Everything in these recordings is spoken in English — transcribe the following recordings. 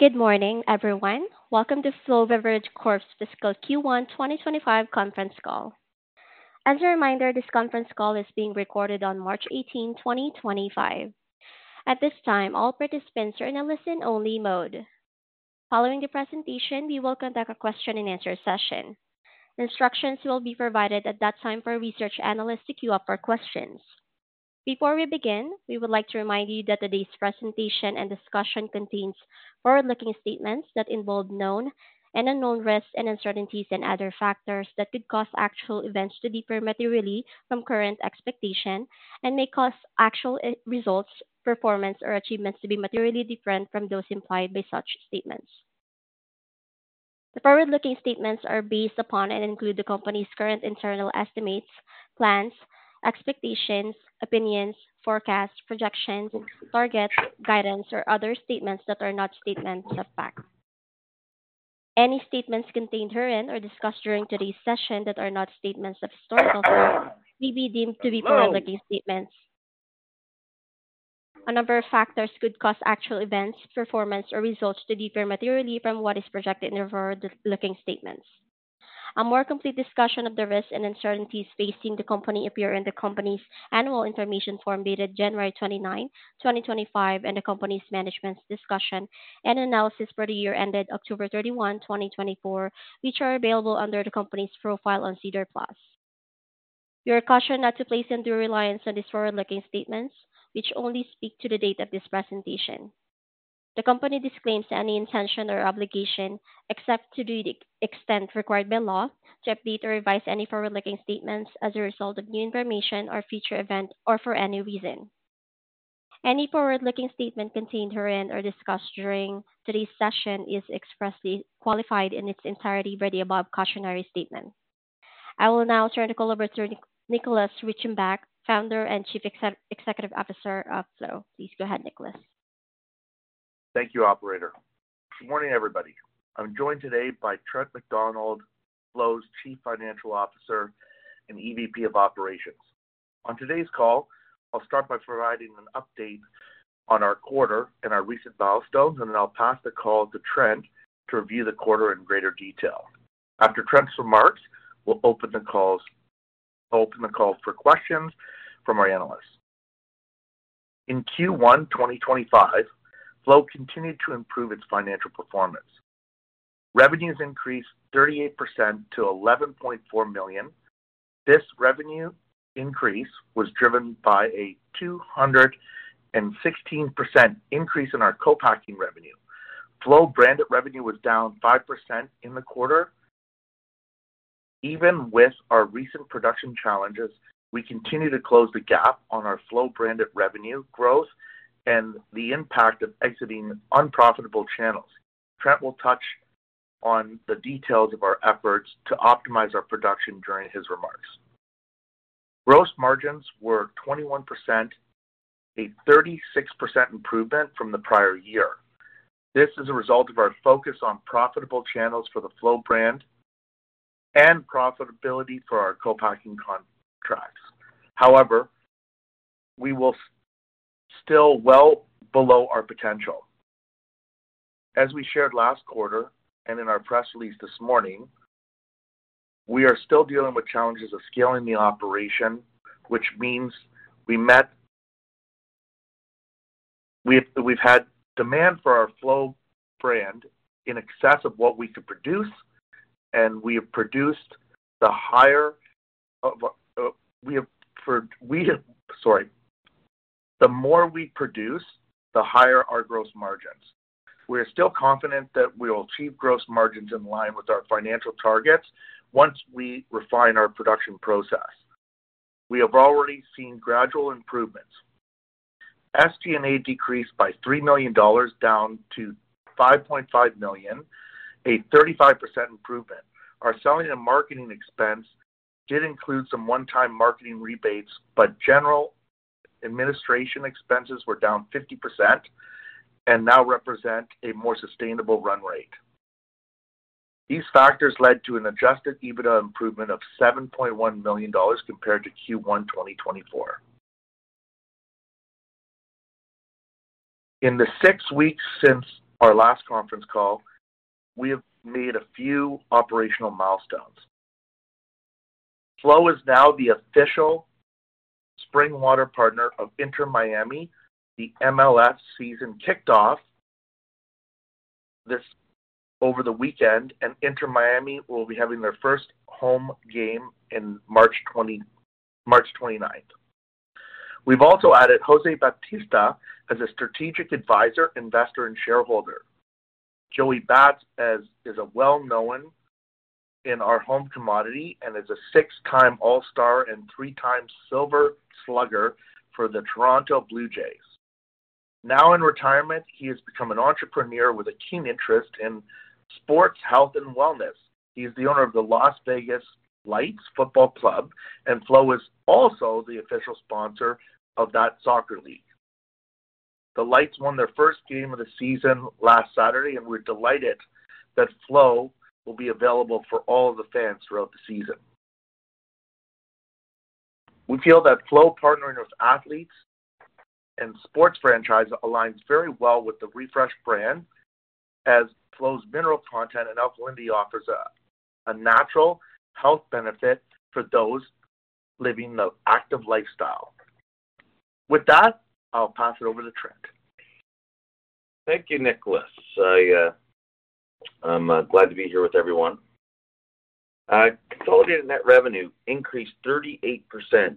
Good morning, everyone. Welcome to Flow Beverage Corp Fiscal Q1 2025 conference call. As a reminder, this conference call is being recorded on March 18, 2025. At this time, all participants are in a listen-only mode. Following the presentation, we will conduct a question-and-answer session. Instructions will be provided at that time for research analysts to queue up for questions. Before we begin, we would like to remind you that today's presentation and discussion contains forward-looking statements that involve known and unknown risks and uncertainties and other factors that could cause actual events to be materially different from current expectation and may cause actual results, performance, or achievements to be materially different from those implied by such statements. The forward-looking statements are based upon and include the company's current internal estimates, plans, expectations, opinions, forecasts, projections, targets, guidance, or other statements that are not statements of fact. Any statements contained herein or discussed during today's session that are not statements of historical fact may be deemed to be forward-looking statements. A number of factors could cause actual events, performance, or results to be materially different from what is projected in the forward-looking statements. A more complete discussion of the risks and uncertainties facing the company appear in the company's Annual Information Form dated January 29, 2025, and the company's Management's Discussion and Analysis for the year ended October 31, 2024, which are available under the company's profile on SEDAR+. We are cautioned not to place any reliance on these forward-looking statements, which only speak to the date of this presentation. The company disclaims any intention or obligation except to the extent required by law to update or revise any forward-looking statements as a result of new information or future events or for any reason. Any forward-looking statement contained herein or discussed during today's session is expressly qualified in its entirety by the above cautionary statement. I will now turn the call over to Nicholas Reichenbach, Founder and Chief Executive Officer of Flow. Please go ahead, Nicholas. Thank you, Operator. Good morning, everybody. I'm joined today by Trent MacDonald, Flow's Chief Financial Officer and EVP of Operations. On today's call, I'll start by providing an update on our quarter and our recent milestones, and then I'll pass the call to Trent to review the quarter in greater detail. After Trent's remarks, we'll open the call for questions from our analysts. In Q1 2025, Flow continued to improve its financial performance. Revenues increased 38% to 11.4 million. This revenue increase was driven by a 216% increase in our co-packing revenue. Flow branded revenue was down 5% in the quarter. Even with our recent production challenges, we continue to close the gap on our Flow branded revenue growth and the impact of exiting unprofitable channels. Trent will touch on the details of our efforts to optimize our production during his remarks. Gross margins were 21%, a 36% improvement from the prior year. This is a result of our focus on profitable channels for the Flow brand and profitability for our co-packing contracts. However, we are still well below our potential. As we shared last quarter and in our press release this morning, we are still dealing with challenges of scaling the operation, which means we've had demand for our Flow brand in excess of what we could produce, and the more we produce, the higher our gross margins. We are still confident that we will achieve gross margins in line with our financial targets once we refine our production process. We have already seen gradual improvements. SG&A decreased by $3 million, down to $5.5 million, a 35% improvement. Our selling and marketing expense did include some one-time marketing rebates, but general administration expenses were down 50% and now represent a more sustainable run rate. These factors led to an adjusted EBITDA improvement of $7.1 million compared to Q1 2024. In the six weeks since our last conference call, we have made a few operational milestones. Flow is now the official spring water partner of Inter Miami CF. The MLS season kicked off this over the weekend, and Inter Miami CF will be having their first home game on March 29th. We've also added José Bautista as a strategic advisor, investor, and shareholder. Joey Bats is well-known in our home community and is a six-time All-Star and three-time Silver Slugger for the Toronto Blue Jays. Now in retirement, he has become an entrepreneur with a keen interest in sports, health, and wellness. He is the owner of the Las Vegas Lights Football Club, and Flow is also the official sponsor of that soccer league. The Lights won their first game of the season last Saturday, and we're delighted that Flow will be available for all of the fans throughout the season. We feel that Flow partnering with athletes and sports franchises aligns very well with the refreshed brand, as Flow's mineral content and alkalinity offers a natural health benefit for those living the active lifestyle. With that, I'll pass it over to Trent. Thank you, Nicholas. I'm glad to be here with everyone. Consolidated net revenue increased 38%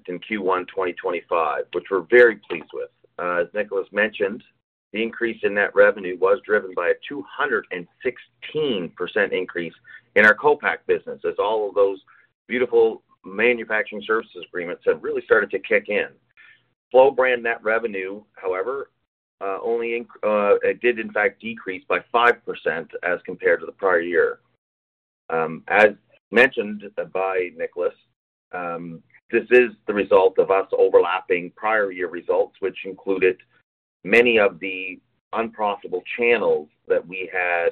in Q1 2025, which we're very pleased with. As Nicholas mentioned, the increase in net revenue was driven by a 216% increase in our co-pack business, as all of those beautiful manufacturing services agreements had really started to kick in. Flow brand net revenue, however, only did, in fact, decrease by 5% as compared to the prior year. As mentioned by Nicholas, this is the result of us overlapping prior year results, which included many of the unprofitable channels that we had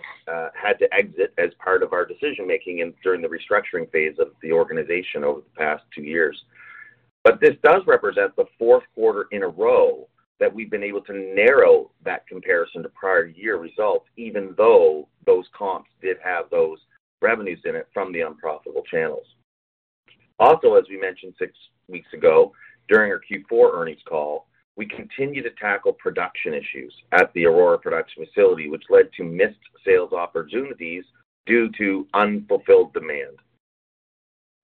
had to exit as part of our decision-making during the restructuring phase of the organization over the past two years. This does represent the fourth quarter in a row that we've been able to narrow that comparison to prior year results, even though those comps did have those revenues in it from the unprofitable channels. Also, as we mentioned six weeks ago during our Q4 earnings call, we continue to tackle production issues at the Aurora production facility, which led to missed sales opportunities due to unfulfilled demand.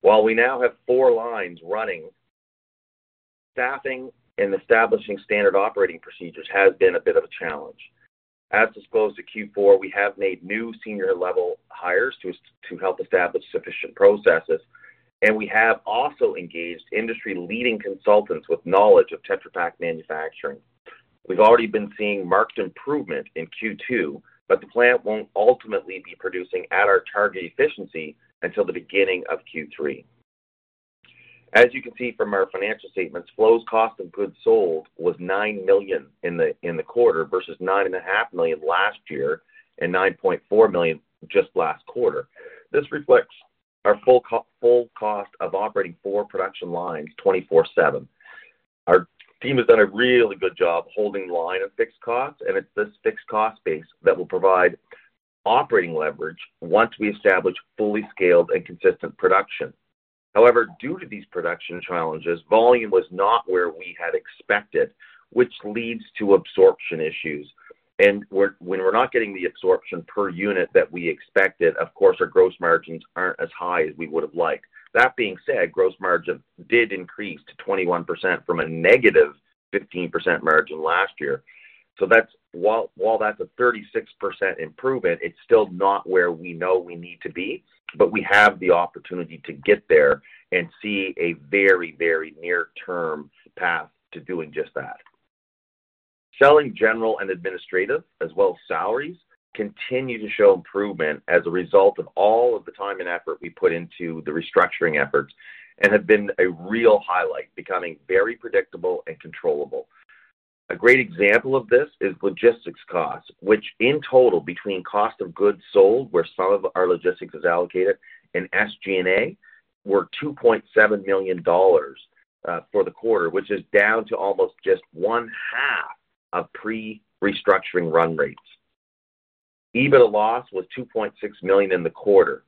While we now have four lines running, staffing and establishing standard operating procedures has been a bit of a challenge. As disclosed to Q4, we have made new senior-level hires to help establish sufficient processes, and we have also engaged industry-leading consultants with knowledge of Tetra Pak manufacturing. We've already been seeing marked improvement in Q2, but the plant won't ultimately be producing at our target efficiency until the beginning of Q3. As you can see from our financial statements, Flow's cost of goods sold was 9 million in the quarter versus 9.5 million last year and 9.4 million just last quarter. This reflects our full cost of operating four production lines 24/7. Our team has done a really good job holding line of fixed costs, and it's this fixed cost base that will provide operating leverage once we establish fully scaled and consistent production. However, due to these production challenges, volume was not where we had expected, which leads to absorption issues. When we're not getting the absorption per unit that we expected, of course, our gross margins aren't as high as we would have liked. That being said, gross margin did increase to 21% from a negative 15% margin last year. While that's a 36% improvement, it's still not where we know we need to be, but we have the opportunity to get there and see a very, very near-term path to doing just that. Selling general and administrative, as well as salaries, continue to show improvement as a result of all of the time and effort we put into the restructuring efforts and have been a real highlight, becoming very predictable and controllable. A great example of this is logistics costs, which in total between cost of goods sold, where some of our logistics is allocated, and SG&A were 2.7 million dollars for the quarter, which is down to almost just one-half of pre-restructuring run rates. EBITDA loss was 2.6 million in the quarter.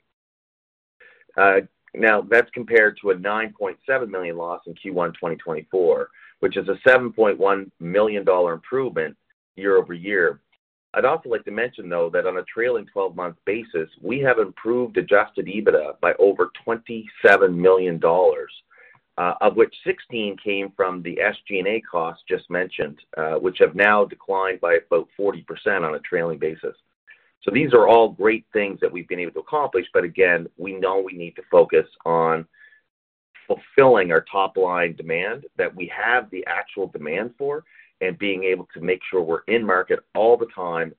That's compared to a 9.7 million loss in Q1 2024, which is a 7.1 million dollar improvement year over year. I'd also like to mention, though, that on a trailing 12-month basis, we have improved adjusted EBITDA by over 27 million dollars, of which 16 million came from the SG&A costs just mentioned, which have now declined by about 40% on a trailing basis. These are all great things that we've been able to accomplish, but again, we know we need to focus on fulfilling our top-line demand that we have the actual demand for and being able to make sure we're in market all the time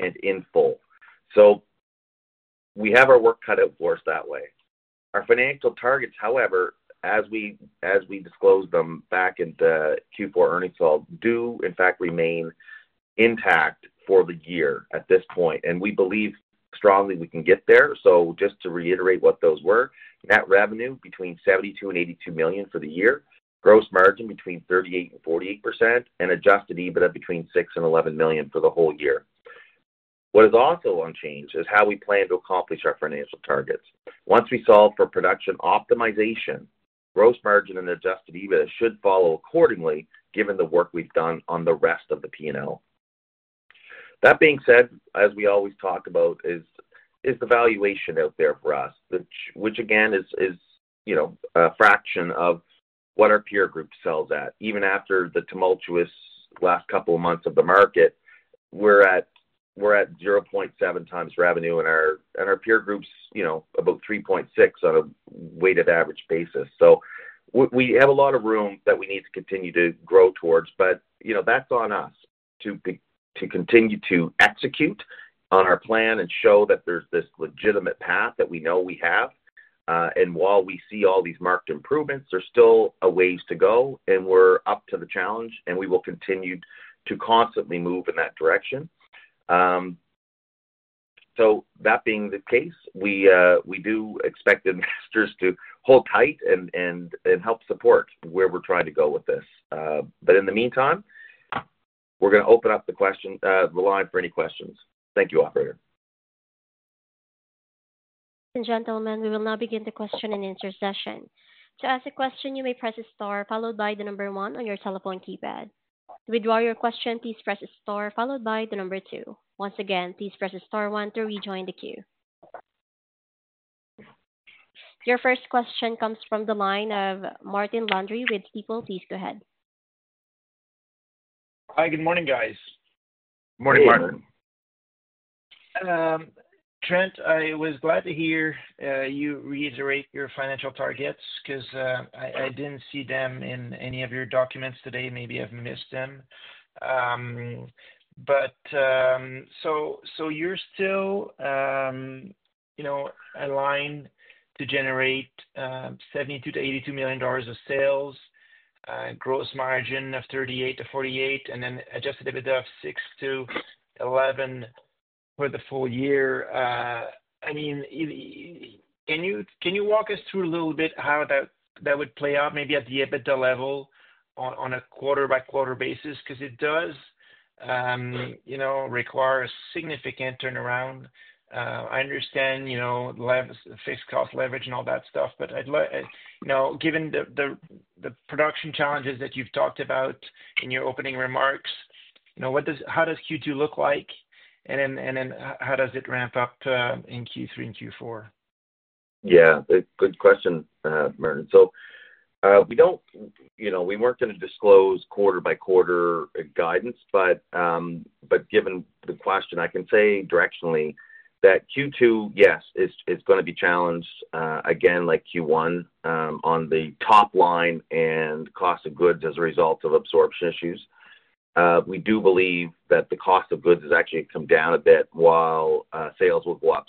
and in full. We have our work cut out for us that way. Our financial targets, however, as we disclosed them back in the Q4 earnings call, do, in fact, remain intact for the year at this point, and we believe strongly we can get there. Just to reiterate what those were: net revenue between 72 million and 82 million for the year, gross margin between 38% and 48%, and adjusted EBITDA between 6 million and 11 million for the whole year. What is also unchanged is how we plan to accomplish our financial targets. Once we solve for production optimization, gross margin and adjusted EBITDA should follow accordingly, given the work we've done on the rest of the P&L. That being said, as we always talk about, is the valuation out there for us, which again is a fraction of what our peer group sells at. Even after the tumultuous last couple of months of the market, we're at 0.7 times revenue, and our peer group's about 3.6 on a weighted average basis. We have a lot of room that we need to continue to grow towards, but that's on us to continue to execute on our plan and show that there's this legitimate path that we know we have. While we see all these marked improvements, there's still a ways to go, and we're up to the challenge, and we will continue to constantly move in that direction. That being the case, we do expect investors to hold tight and help support where we're trying to go with this. In the meantime, we're going to open up the line for any questions. Thank you, Operator. and gentlemen, we will now begin the question and answer session. To ask a question, you may press the star followed by the number one on your telephone keypad. To withdraw your question, please press the star followed by the number two. Once again, please press the star one to rejoin the queue. Your first question comes from the line of Martin Landry with Stifel. Please go ahead. Hi, good morning, guys. Morning, Martin. Trent, I was glad to hear you reiterate your financial targets because I did not see them in any of your documents today. Maybe I have missed them. You are still aligned to generate $72 million-$82 million of sales, gross margin of $38 million-$48 million, and then adjusted EBITDA of $6 million-$11 million for the full year. I mean, can you walk us through a little bit how that would play out maybe at the EBITDA level on a quarter-by-quarter basis? It does require a significant turnaround. I understand fixed cost leverage and all that stuff, but given the production challenges that you have talked about in your opening remarks, how does Q2 look like, and then how does it ramp up in Q3 and Q4? Yeah, good question, Martin. We worked in a disclose quarter-by-quarter guidance, but given the question, I can say directionally that Q2, yes, is going to be challenged again like Q1 on the top line and cost of goods as a result of absorption issues. We do believe that the cost of goods has actually come down a bit while sales will go up.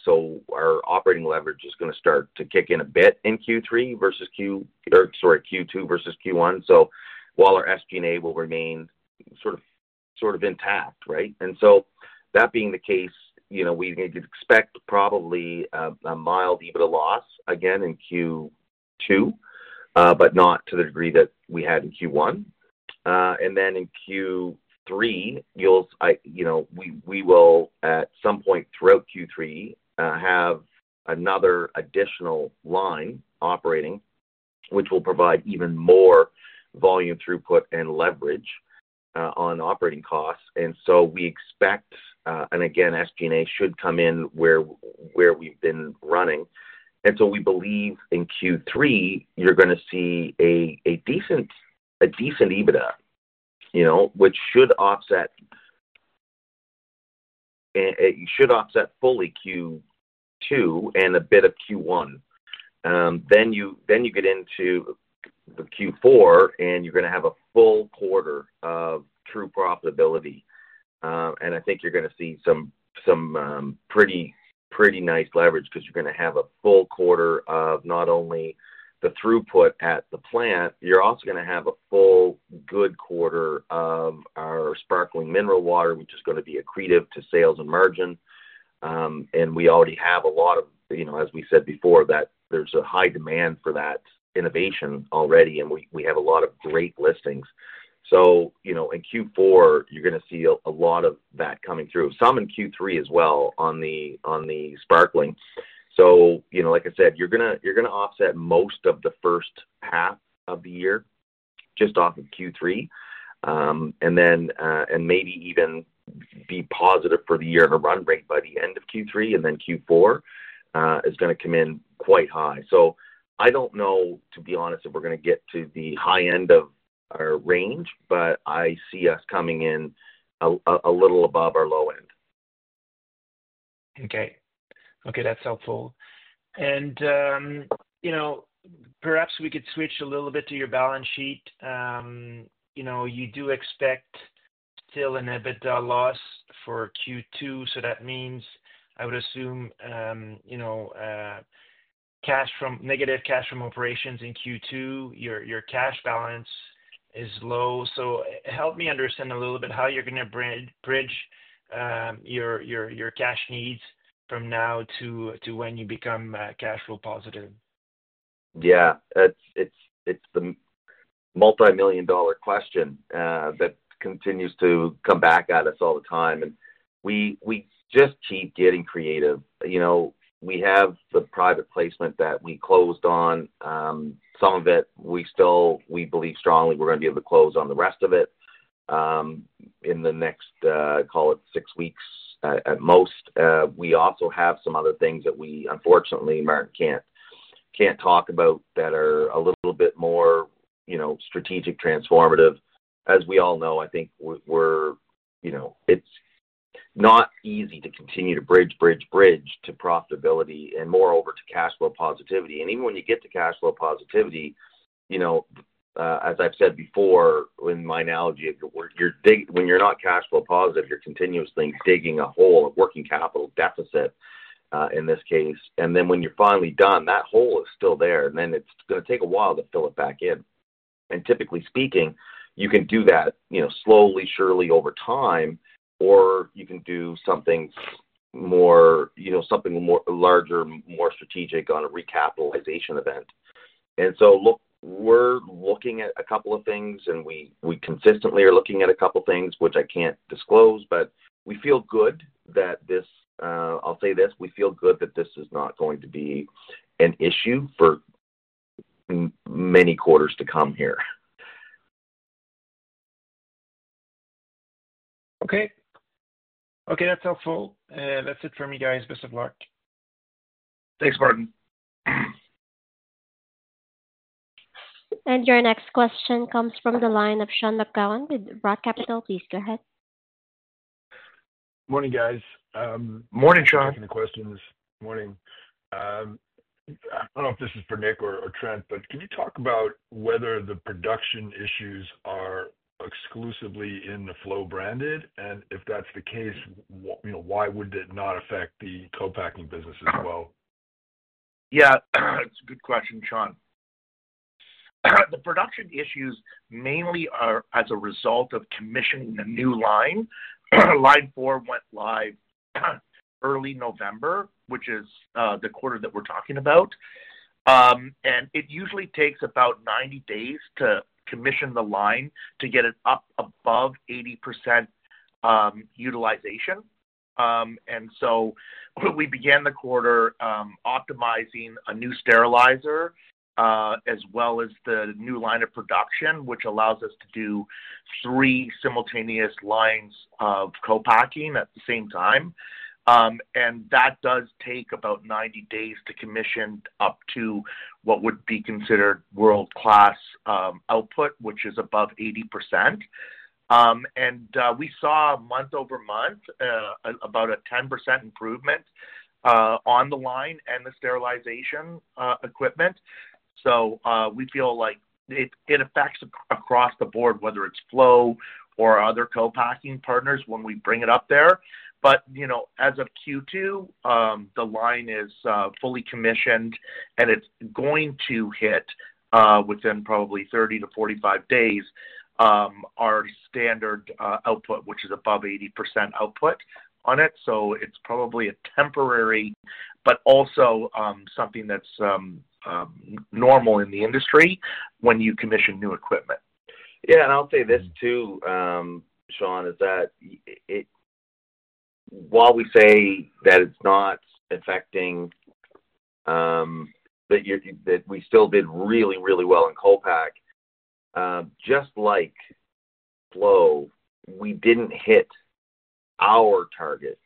Our operating leverage is going to start to kick in a bit in Q3 versus Q or sorry, Q2 versus Q1, while our SG&A will remain sort of intact, right? That being the case, we could expect probably a mild EBITDA loss again in Q2, but not to the degree that we had in Q1. In Q3, we will at some point throughout Q3 have another additional line operating, which will provide even more volume throughput and leverage on operating costs. We expect, and again, SG&A should come in where we've been running. We believe in Q3, you're going to see a decent EBITDA, which should offset fully Q2 and a bit of Q1. You get into Q4, and you're going to have a full quarter of true profitability. I think you're going to see some pretty nice leverage because you're going to have a full quarter of not only the throughput at the plant, you're also going to have a full good quarter of our sparkling mineral water, which is going to be accretive to sales and margin. We already have a lot of, as we said before, that there's a high demand for that innovation already, and we have a lot of great listings. In Q4, you're going to see a lot of that coming through, some in Q3 as well on the sparkling. Like I said, you're going to offset most of the first half of the year just off of Q3, and maybe even be positive for the year and a run rate by the end of Q3, and then Q4 is going to come in quite high. I don't know, to be honest, if we're going to get to the high end of our range, but I see us coming in a little above our low end. Okay. Okay, that's helpful. Perhaps we could switch a little bit to your balance sheet. You do expect still an EBITDA loss for Q2, so that means, I would assume, negative cash from operations in Q2. Your cash balance is low. Help me understand a little bit how you're going to bridge your cash needs from now to when you become cash flow positive. Yeah. It's the multi-million dollar question that continues to come back at us all the time. We just keep getting creative. We have the private placement that we closed on. Some of it, we believe strongly we're going to be able to close on the rest of it in the next, call it, six weeks at most. We also have some other things that we, unfortunately, Martin, can't talk about that are a little bit more strategic, transformative. As we all know, I think it's not easy to continue to bridge, bridge, bridge to profitability and moreover to cash flow positivity. Even when you get to cash flow positivity, as I've said before in my analogy, when you're not cash flow positive, you're continuously digging a hole of working capital deficit in this case. When you're finally done, that hole is still there, and then it's going to take a while to fill it back in. Typically speaking, you can do that slowly, surely over time, or you can do something larger, more strategic on a recapitalization event. We are looking at a couple of things, and we consistently are looking at a couple of things, which I can't disclose, but we feel good that this—I will say this—we feel good that this is not going to be an issue for many quarters to come here. Okay. Okay, that's helpful. That's it from you guys. Best of luck. Thanks, Martin. Your next question comes from the line of Sean McGowan with Roth Capital. Please go ahead. Morning, guys. Morning, Sean. Morning. Morning. I do not know if this is for Nick or Trent, but can you talk about whether the production issues are exclusively in the Flow branded? And if that is the case, why would it not affect the co-packing business as well? Yeah, it's a good question, Sean. The production issues mainly are as a result of commissioning the new line. Line 4 went live early November, which is the quarter that we're talking about. It usually takes about 90 days to commission the line to get it up above 80% utilization. We began the quarter optimizing a new sterilizer as well as the new line of production, which allows us to do three simultaneous lines of co-packing at the same time. That does take about 90 days to commission up to what would be considered world-class output, which is above 80%. We saw month over month about a 10% improvement on the line and the sterilization equipment. We feel like it affects across the board, whether it's Flow or other co-packing partners when we bring it up there. As of Q2, the line is fully commissioned, and it is going to hit within probably 30-45 days our standard output, which is above 80% output on it. It is probably temporary, but also something that is normal in the industry when you commission new equipment. Yeah, and I will say this too, Sean, is that while we say that it is not affecting, we still did really, really well in co-pack. Just like Flow, we did not hit our target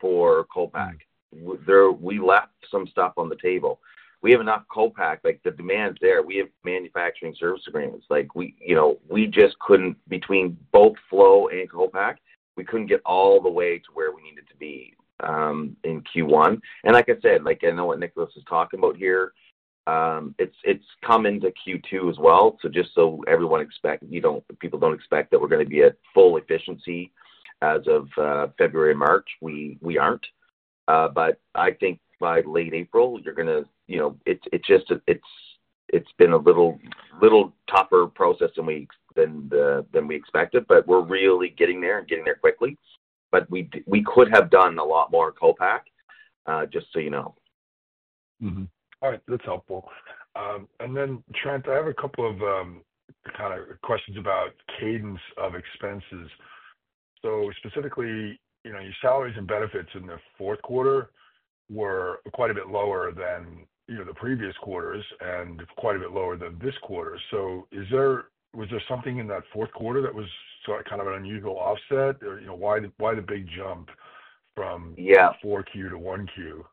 for co-pack. We left some stuff on the table. We have enough co-pack. The demand is there. We have manufacturing service agreements. We just could not—between both Flow and co-pack, we could not get all the way to where we needed to be in Q1. Like I said, I know what Nicholas is talking about here. It is coming to Q2 as well. Just so everyone expects—people do not expect that we are going to be at full efficiency as of February and March. We are not. I think by late April, you are going to—it has been a little tougher process than we expected, but we are really getting there and getting there quickly. We could have done a lot more co-pack, just so you know. All right. That's helpful. Trent, I have a couple of kind of questions about cadence of expenses. Specifically, your salaries and benefits in the fourth quarter were quite a bit lower than the previous quarters and quite a bit lower than this quarter. Was there something in that fourth quarter that was kind of an unusual offset? Why the big jump from 4Q to 1Q?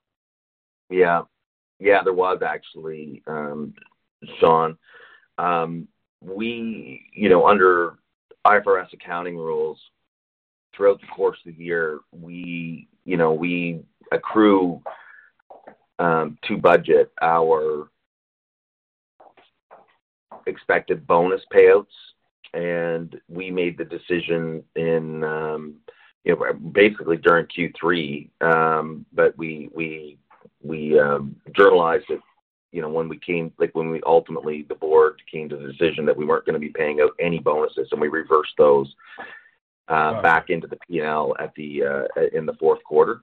Yeah. Yeah, there was actually, Sean. Under IFRS accounting rules, throughout the course of the year, we accrue to budget our expected bonus payouts. We made the decision basically during Q3, but we journalized it when we came—when we ultimately, the board came to the decision that we were not going to be paying out any bonuses, and we reversed those back into the P&L in the fourth quarter.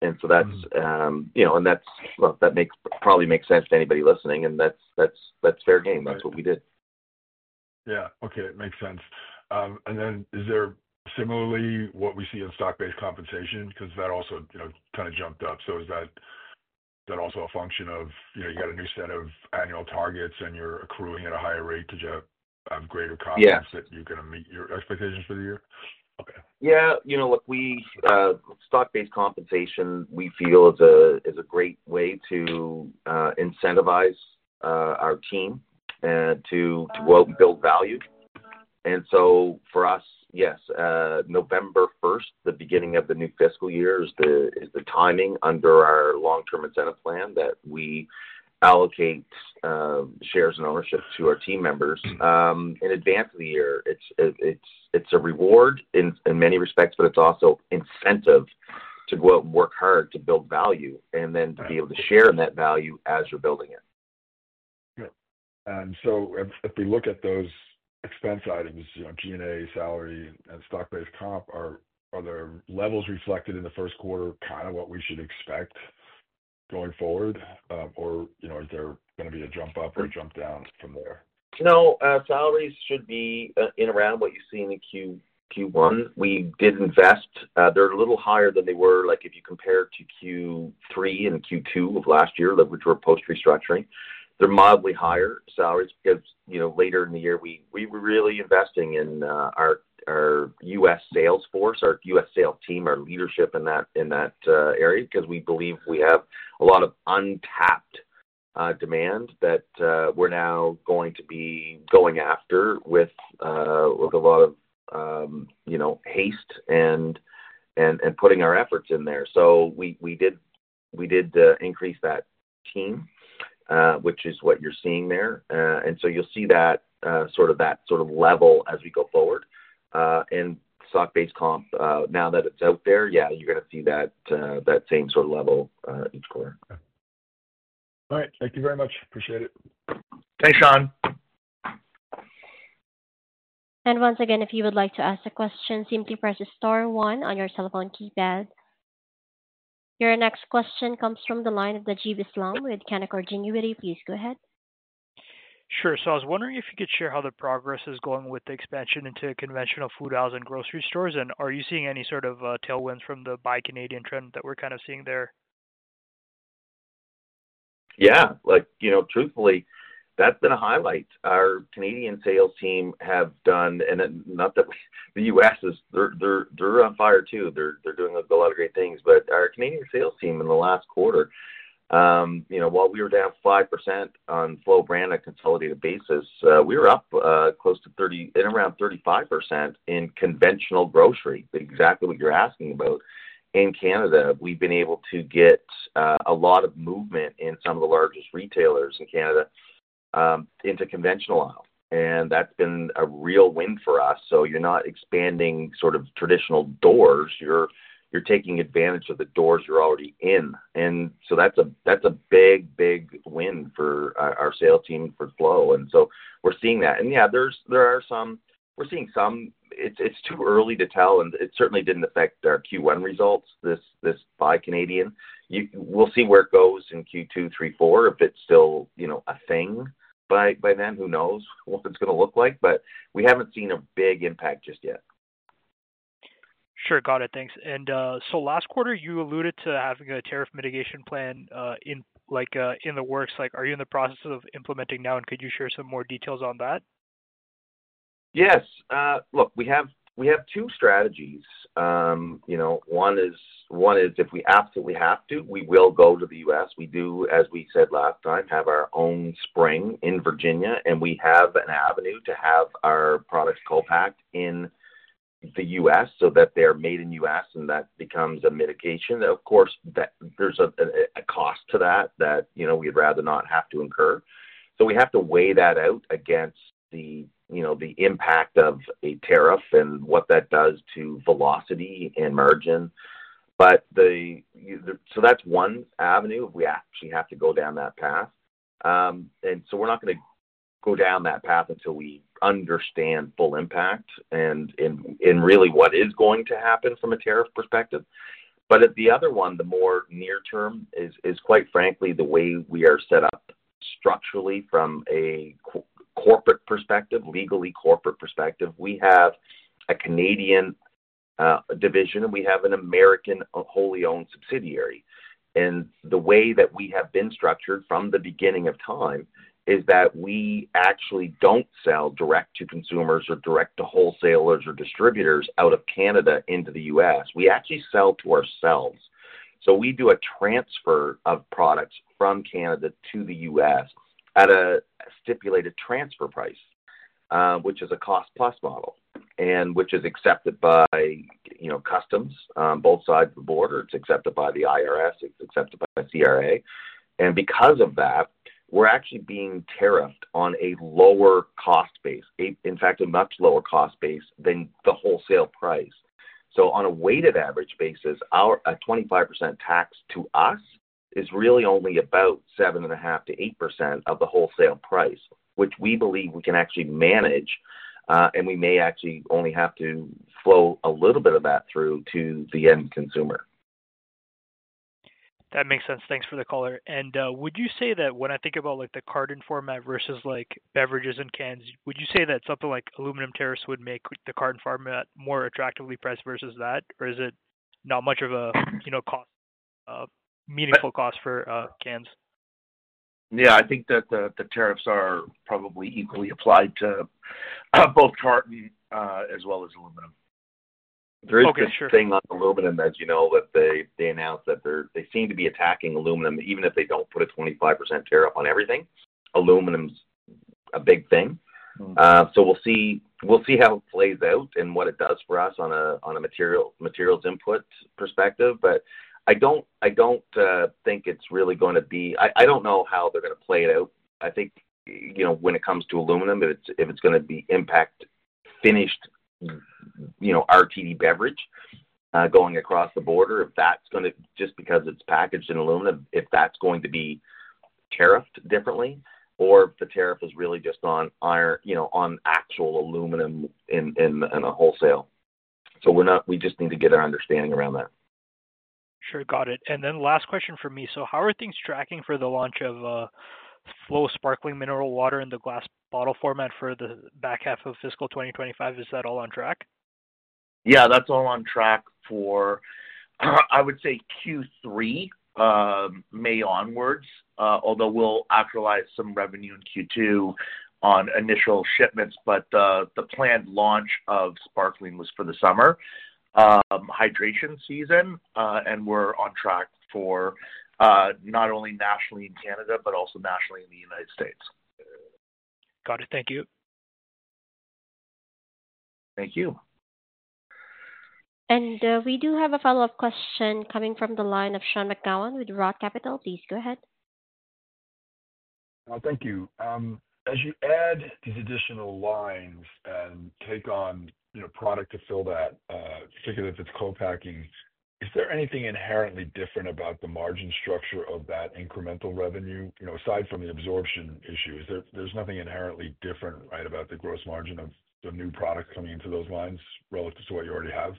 That probably makes sense to anybody listening, and that is fair game. That is what we did. Yeah. Okay. It makes sense. Is there similarly what we see in stock-based compensation? Because that also kind of jumped up. Is that also a function of you got a new set of annual targets and you're accruing at a higher rate to have greater confidence that you're going to meet your expectations for the year? Yeah. Look, stock-based compensation, we feel is a great way to incentivize our team to go out and build value. For us, yes, November 1, the beginning of the new fiscal year, is the timing under our long-term incentive plan that we allocate shares and ownership to our team members in advance of the year. It's a reward in many respects, but it's also incentive to go out and work hard to build value and then to be able to share in that value as you're building it. Yeah. If we look at those expense items, G&A, salary, and stock-based comp, are the levels reflected in the first quarter kind of what we should expect going forward? Or is there going to be a jump up or a jump down from there? No. Salaries should be in around what you see in Q1. We did invest. They are a little higher than they were if you compare to Q3 and Q2 of last year, which were post-restructuring. They are mildly higher salaries because later in the year, we were really investing in our US sales force, our US sales team, our leadership in that area because we believe we have a lot of untapped demand that we are now going to be going after with a lot of haste and putting our efforts in there. We did increase that team, which is what you are seeing there. You will see that sort of level as we go forward. Stock-based comp, now that it is out there, you are going to see that same sort of level each quarter. All right. Thank you very much. Appreciate it. Thanks, Sean. If you would like to ask a question, simply press star one on your telephone keypad. Your next question comes from the line of Najib Islam with Canaccord Genuity. Please go ahead. Sure. I was wondering if you could share how the progress is going with the expansion into conventional food aisles and grocery stores. Are you seeing any sort of tailwinds from the Buy Canadian trend that we're kind of seeing there? Yeah. Truthfully, that's been a highlight. Our Canadian sales team have done—and not that the U.S. is—they're on fire too. They're doing a lot of great things. Our Canadian sales team in the last quarter, while we were down 5% on Flow brand on a consolidated basis, we were up close to 30, in around 35% in conventional grocery, exactly what you're asking about. In Canada, we've been able to get a lot of movement in some of the largest retailers in Canada into conventional aisle. That's been a real win for us. You're not expanding sort of traditional doors. You're taking advantage of the doors you're already in. That's a big, big win for our sales team for Flow. We're seeing that. Yeah, there are some—we're seeing some. It's too early to tell, and it certainly didn't affect our Q1 results, this Buy Canadian. We'll see where it goes in Q2, Q3, Q4, if it's still a thing. By then, who knows what it's going to look like? We haven't seen a big impact just yet. Sure. Got it. Thanks. Last quarter, you alluded to having a tariff mitigation plan in the works. Are you in the process of implementing now? Could you share some more details on that? Yes. Look, we have two strategies. One is if we absolutely have to, we will go to the U.S. We do, as we said last time, have our own spring in Virginia, and we have an avenue to have our products co-packed in the U.S. so that they're made in the U.S., and that becomes a mitigation. Of course, there's a cost to that that we'd rather not have to incur. We have to weigh that out against the impact of a tariff and what that does to velocity and margin. That is one avenue if we actually have to go down that path. We are not going to go down that path until we understand full impact and really what is going to happen from a tariff perspective. The other one, the more near term, is quite frankly the way we are set up structurally from a corporate perspective, legally corporate perspective. We have a Canadian division, and we have an American wholly owned subsidiary. The way that we have been structured from the beginning of time is that we actually do not sell direct to consumers or direct to wholesalers or distributors out of Canada into the U.S. We actually sell to ourselves. We do a transfer of products from Canada to the U.S. at a stipulated transfer price, which is a cost-plus model and which is accepted by customs on both sides of the border. It is accepted by the IRS. It is accepted by the CRA. Because of that, we are actually being tariffed on a lower cost base, in fact, a much lower cost base than the wholesale price. On a weighted average basis, a 25% tax to us is really only about 7.5-8% of the wholesale price, which we believe we can actually manage. We may actually only have to flow a little bit of that through to the end consumer. That makes sense. Thanks for the caller. Would you say that when I think about the carton format versus beverages in cans, would you say that something like aluminum tariffs would make the carton format more attractively priced versus that? Or is it not much of a meaningful cost for cans? Yeah. I think that the tariffs are probably equally applied to both carton as well as aluminum. There is a big thing on aluminum that they announced that they seem to be attacking aluminum, even if they do not put a 25% tariff on everything. Aluminum is a big thing. We will see how it plays out and what it does for us on a materials input perspective. I do not think it is really going to be—I do not know how they are going to play it out. I think when it comes to aluminum, if it is going to be impact finished RTD beverage going across the border, if that is going to—just because it is packaged in aluminum, if that is going to be tariffed differently or if the tariff is really just on actual aluminum in a wholesale. We just need to get our understanding around that. Sure. Got it. And then last question for me. How are things tracking for the launch of Flow Sparkling Mineral Water in the glass bottle format for the back half of fiscal 2025? Is that all on track? Yeah. That's all on track for, I would say, Q3, May onwards, although we'll actualize some revenue in Q2 on initial shipments. The planned launch of sparkling was for the summer. Hydration season. We're on track for not only nationally in Canada but also nationally in the United States. Got it. Thank you. Thank you. We do have a follow-up question coming from the line of Sean McGowan with Roth Capital. Please go ahead. Thank you. As you add these additional lines and take on product to fill that, particularly if it's co-packing, is there anything inherently different about the margin structure of that incremental revenue? Aside from the absorption issue, there's nothing inherently different, right, about the gross margin of the new products coming into those lines relative to what you already have?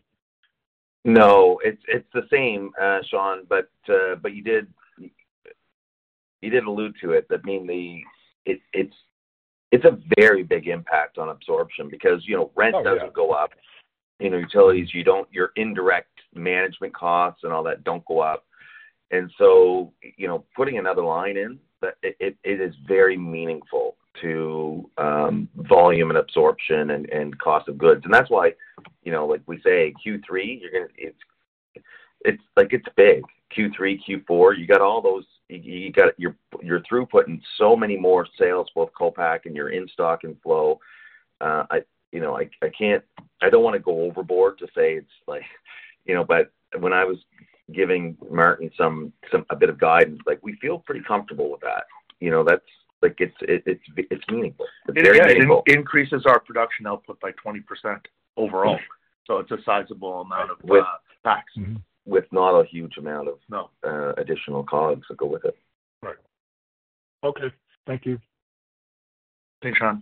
No. It's the same, Sean. You did allude to it. I mean, it's a very big impact on absorption because rent doesn't go up. Utilities, your indirect management costs and all that don't go up. Putting another line in, it is very meaningful to volume and absorption and cost of goods. That's why, like we say, Q3, it's big. Q3, Q4, you got all those—you are throughputting so many more sales, both co-pack and your in-stock and Flow. I don't want to go overboard to say it's like—but when I was giving Martin a bit of guidance, we feel pretty comfortable with that. It's meaningful. It increases our production output by 20% overall. It is a sizable amount of tax. With not a huge amount of additional costs that go with it. Right. Okay. Thank you. Thanks, Sean.